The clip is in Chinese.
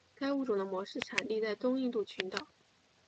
该物种的模式产地在东印度群岛。